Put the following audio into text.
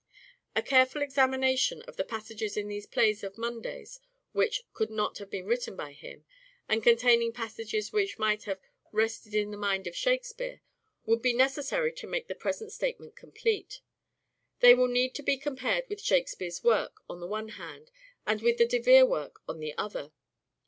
A careful examination of the passages in these plays of Munday's, which " could not have been written by him," and containing passages which might have " rested in the mind of Shakespeare," would be necessary to make the present statement complete. They will need to be compared with Shakespeare's work on the one hand, and with the De Vere work on the other.